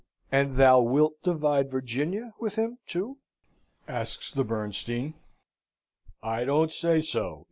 "And thou wilt divide Virginia with him too?" asks the Bernstein. "I don't say so.